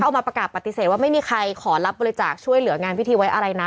เอามาประกาศปฏิเสธว่าไม่มีใครขอรับบริจาคช่วยเหลืองานพิธีไว้อะไรนะ